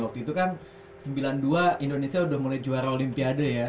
waktu itu kan sembilan puluh dua indonesia udah mulai juara olimpiade ya